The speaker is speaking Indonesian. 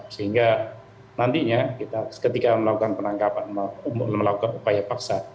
sehingga nantinya kita ketika melakukan penangkapan melakukan upaya paksa